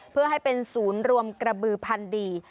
เพื่อให้เป็นศูนย์รวมกระบือพันธุ์ดี